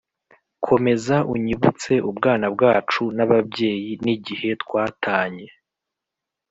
komeza unyibutse ubwana bwacu n` ababyeyi n` igihe twatanye.